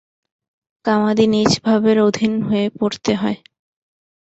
কামাদি নীচভাবের অধীন হয়ে পড়তে হয়।